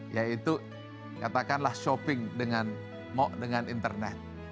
yaitu katakanlah shopping dengan internet